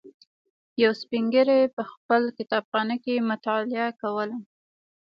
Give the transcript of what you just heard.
یوه سپین ږیري په خپل کتابخانه کې مطالعه کوله.